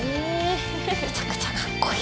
めちゃくちゃかっこいい。